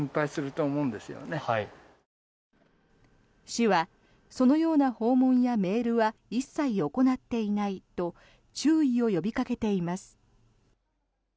市はそのような訪問やメールは一切行っていないと注意を呼びかけています。